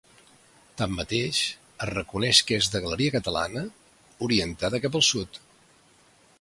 Tanmateix, es reconeix que és de galeria catalana, orientada cap al sud.